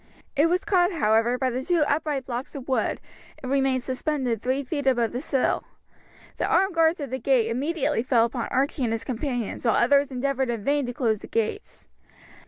It was caught, however, by the two upright blocks of wood, and remained suspended three feet above the sill. The armed guards at the gate instantly fell upon Archie and his companions, while others endeavoured in vain to close the gates.